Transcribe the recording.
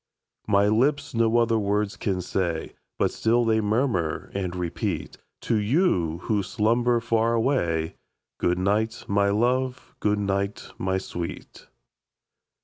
My lips no other words can say, But still they murmur and repeat To you, who slumber far away, Good night, my love! good night, my sweet!